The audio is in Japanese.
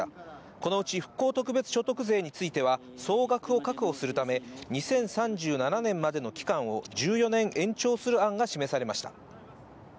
このうち復興特別所得税については、総額を確保するため、２０３７年までの期間を１４年延長する案が示されました。